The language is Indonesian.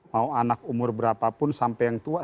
mau anak umur berapapun sampai yang tua